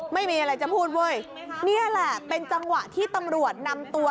ไม่มีอะไรจะพูดเว้ยนี่แหละเป็นจังหวะที่ตำรวจนำตัว